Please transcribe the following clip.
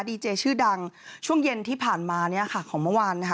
ดีเจชื่อดังช่วงเย็นที่ผ่านมาเนี่ยค่ะของเมื่อวานนะคะ